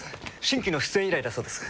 新規の出演依頼だそうです。